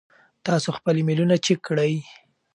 تاسو خپل ایمیلونه چیک کړئ.